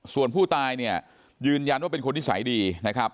ส่วนผู้ตายเนี่ยยืนยันว่าเป็นคนนิสัยดีนะครับ